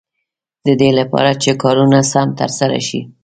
د دې لپاره چې کارونه سم تر سره شي.